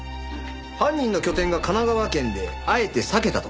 犯人の拠点が神奈川県であえて避けたとか。